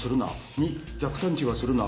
２逆探知はするな。